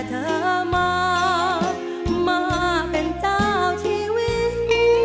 เธอมามาเป็นเจ้าชีวิต